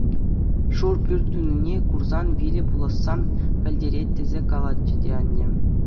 Шур пӳрт тунине курсан виле пуласса пӗлтерет тесе калатчӗ те анне.